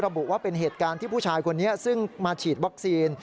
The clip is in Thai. ระบุว่าเป็นเหตุการณ์ที่ผู้ชายคนนี้ซึ่งมาฉีดวัคซีน